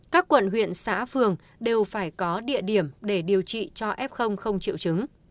các quận huyện xã phường đều phải có địa điểm để điều trị cho f không triệu chứng